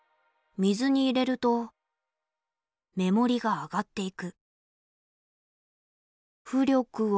水に入れると目もりが上がっていく。